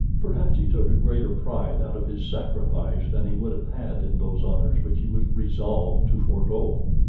Perhaps he took a greater pride out of his sacrifice than he would have had in those honors which he was resolved to forego.